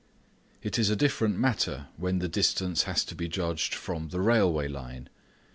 It is a different matter when the distance has to be judged from the railway line.